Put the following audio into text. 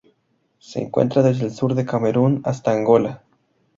Se encuentra desde el sur de Camerún hasta Angola.